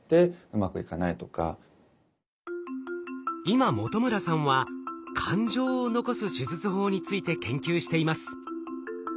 今本村さんは感情を残す手術法について研究しています。